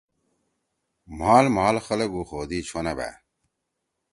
مھال مھال خلگ اُخودی چھونأ بأ۔